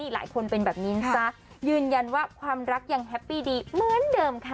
หลายคนเป็นแบบนี้นะจ๊ะยืนยันว่าความรักยังแฮปปี้ดีเหมือนเดิมค่ะ